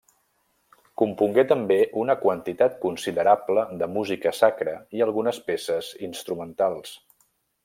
Compongué també una quantitat considerable de música sacra i algunes peces instrumentals.